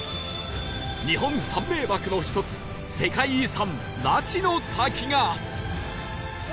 日本三名瀑の１つ世界遺産那智の滝が